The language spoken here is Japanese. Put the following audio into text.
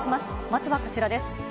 まずはこちらです。